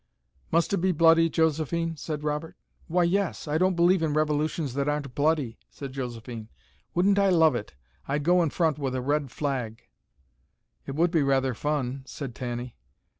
"Must it be bloody, Josephine?" said Robert. "Why, yes. I don't believe in revolutions that aren't bloody," said Josephine. "Wouldn't I love it! I'd go in front with a red flag." "It would be rather fun," said Tanny.